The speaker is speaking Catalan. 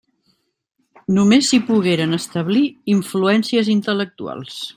Només s'hi pogueren establir influències intel·lectuals.